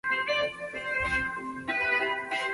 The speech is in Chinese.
男女共同参与局是日本内阁府的内部部局之一。